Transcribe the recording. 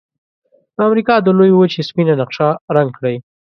د امریکا د لویې وچې سپینه نقشه رنګ کړئ.